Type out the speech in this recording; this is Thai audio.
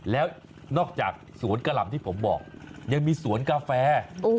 แล้วนอกจากสวนกะหล่ำที่ผมบอกยังมีสวนกาแฟ